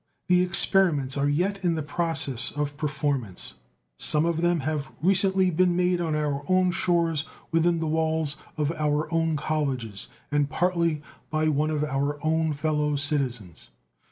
The experiments are yet in the process of performance. Some of them have recently been made on our own shores, within the walls of one of our own colleges, and partly by one of our own fellow citizens.